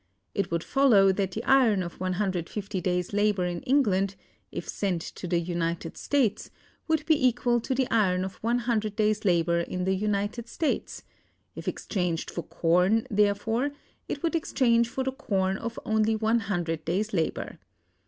It would follow that the iron of 150 days' labor in England, if sent to the United States, would be equal to the iron of 100 days' labor in the United States; if exchanged for corn, therefore, it would exchange for the corn of only 100 days' labor.